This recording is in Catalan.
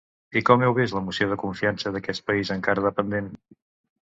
I com heu vist la moció de confiança d’aquest país encara dependent?